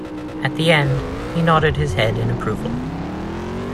At the end he nodded his head in approval.